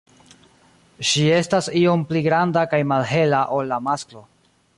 Ŝi estas iom pli granda kaj malhela ol la masklo.